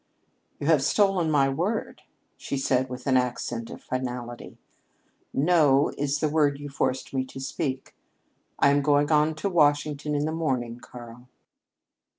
"You have stolen my word," she said with an accent of finality. "'No'" is the word you force me to speak. I am going on to Washington in the morning, Karl.